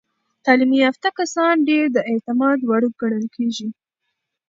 تعلیم یافته کسان ډیر د اعتماد وړ ګڼل کېږي.